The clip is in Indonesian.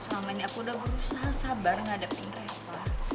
selama ini aku udah berusaha sabar ngadepin reva